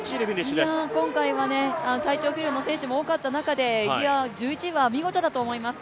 今回は体調不良の選手も多かった中で１１位は見事だと思います。